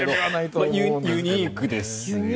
ユニークですよね。